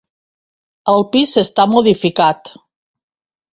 El pis està modificat.